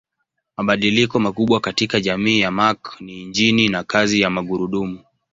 Mabadiliko makubwa katika jamii ya Mark ni injini na kazi ya magurudumu.